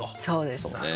そうです。